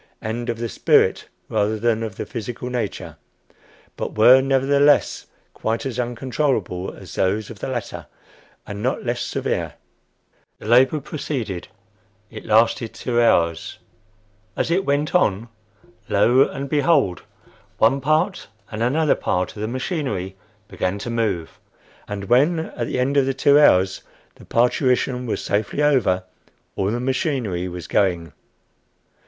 and "of the spirit rather than of the physical nature; but were, nevertheless, quite as uncontrollable as those of the latter, and not less severe." The labor proceeded. It lasted two hours. As it went on, lo and behold! one part and another part of the machinery began to move! And when, at the end of the two hours, the parturition was safely over, all the machinery was going!